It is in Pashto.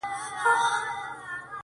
دردونه څنګه خطاباسې د ټکور تر کلي-